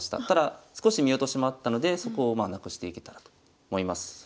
ただ少し見落としもあったのでそこをまあなくしていけたらと思います。